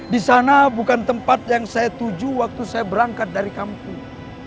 di sana bukan tempat yang saya tuju waktu saya berangkat dari kampung